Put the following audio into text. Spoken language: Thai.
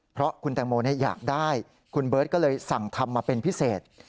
เพราะคุณแตงโมอยากได้คุณเบิร์ตก็เลยสั่งทำมาเป็นพิเศษ